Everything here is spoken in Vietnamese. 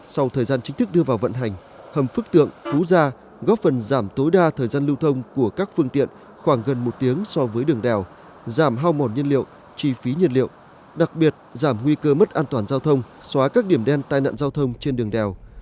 sau thời gian chính thức đưa vào vận hành hầm phước tượng phú gia góp phần giảm tối đa thời gian lưu thông của các phương tiện khoảng gần một tiếng so với đường đèo giảm hao mòn nhiên liệu chi phí nhiên liệu đặc biệt giảm nguy cơ mất an toàn giao thông xóa các điểm đen tai nạn giao thông trên đường đèo